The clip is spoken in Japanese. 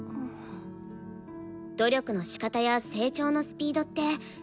努力のしかたや成長のスピードって人それぞれだし。